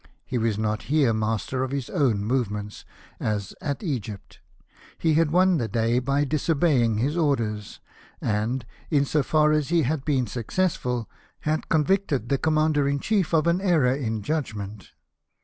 He was not here master of his own movements, as at Egypt ; he had won the day by disobeying his orders, and, in so far as he had been successful, had con victed the Commander in Chief of an error in judg ment.